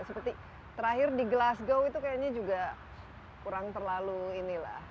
seperti terakhir di glasgow itu kayaknya juga kurang terlalu ini lah